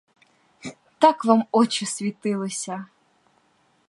Так вам очі світилися!